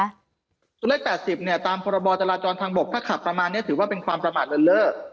ตัวเลข๘๐เนี่ยตามพรบจราจรทางบกถ้าขับประมาณนี้ถือว่าเป็นความประมาทเลินเล่อ